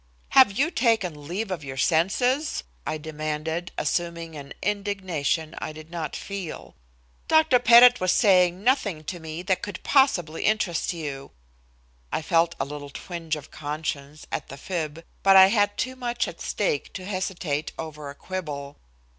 "Have you taken leave of your senses?" I demanded, assuming an indignation I did not feel. "Dr. Pettit was saying nothing to me that could possibly interest you." I felt a little twinge of conscience at the fib, but I had too much at stake to hesitate over a quibble.